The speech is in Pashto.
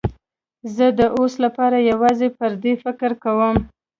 زه د اوس لپاره یوازې پر دې فکر کوم.